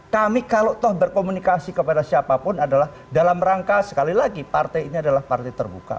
kami kalau toh berkomunikasi kepada siapapun adalah dalam rangka sekali lagi partai ini adalah partai terbuka